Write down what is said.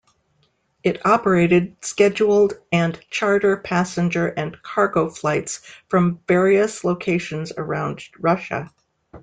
It operated scheduled and charter passenger and cargo flights from various locations around Russia.